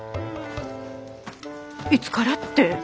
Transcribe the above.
いつからって今さ。